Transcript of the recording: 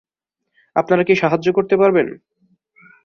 আপনারা কি সাহায্য করতে পারবেন?